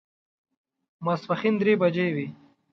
د ماسپښین درې بجې وې.